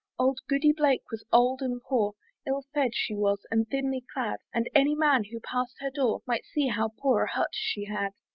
Auld Goody Blake was old and poor, Ill fedd she was, and thinly clad; And any man who pass'd her door, Might see how poor a hut she had.